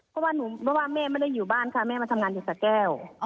เพราะว่าแม่ไม่ได้อยู่บ้านค่ะแม่มาทำงานอยู่สะแก้ว